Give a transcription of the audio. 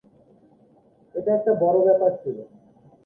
এটা একটা বড় ব্যাপার ছিল।